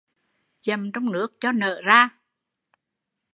Dầm trong nước cho nở ra